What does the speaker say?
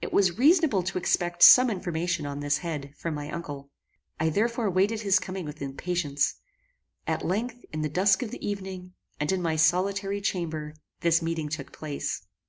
It was reasonable to expect some information on this head, from my uncle. I therefore waited his coming with impatience. At length, in the dusk of the evening, and in my solitary chamber, this meeting took place.